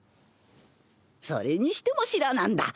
それにしても知らなんだ。